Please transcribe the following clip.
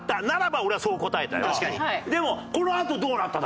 でも「このあとどうなった？」